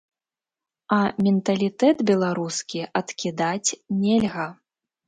А менталітэт беларускі адкідаць нельга.